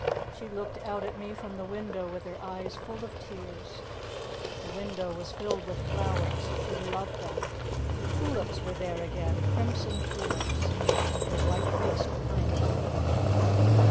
She looked out at me from the window with her eyes full of tears. The window was filled with flowers she loved them. The tulips were there again crimson tulips with her white face behind them."